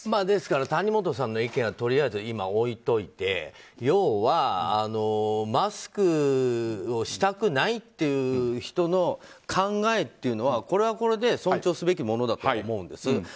ですから、谷本さんの意見はとりあえず今、置いておいて要はマスクをしたくないっていう人の考えっていうのはこれはこれで尊重すべきものだと思うんです。